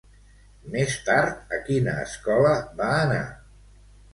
Més tard, a quina escola va anar?